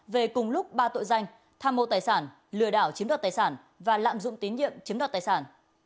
về cùng lúc ba tội danh tham mô tài sản lừa đảo chiếm đoạt tài sản và lạm dụng tín nhiệm chiếm đoạt tài sản